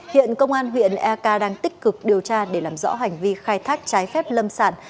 hiện công an huyện eka đang tích cực điều tra để làm rõ hành vi khai thác trái phép lâm sản